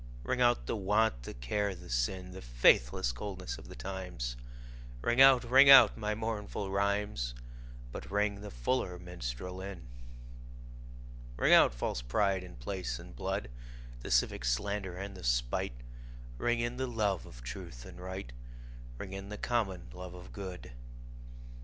Ring out the want, the care the sin, The faithless coldness of the times; Ring out, ring out my mournful rhymes, But ring the fuller minstrel in. Ring out false pride in place and blood, The civic slander and the spite; Ring in the love of truth and right, Ring in the common love of good.